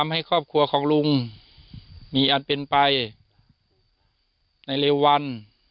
ให้ครอบครัวของลุงมีอันเป็นไปในเร็ววัน